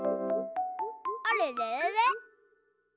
あれれれれ？